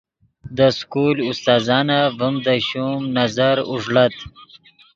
دے سکول استاذانف ڤیم دے شوم نظر اوݱڑت